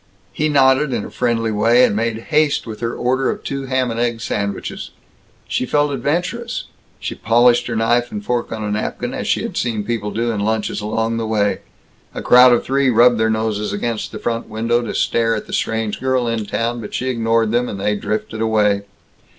He nodded in a friendly way, and made haste with her order of two ham and egg sandwiches. She felt adventurous. She polished her knife and fork on a napkin, as she had seen people do in lunches along the way. A crowd of three rubbed their noses against the front window to stare at the strange girl in town, but she ignored them, and they drifted away.